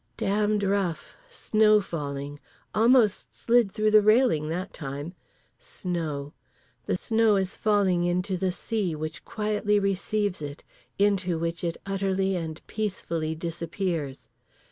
Damned rough. Snow falling. Almost slid through the railing that time. Snow. The snow is falling into the sea; which quietly receives it: into which it utterly and peacefully disappears.